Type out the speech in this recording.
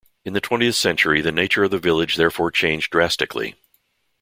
In the twentieth century the nature of the village therefore changed drastically.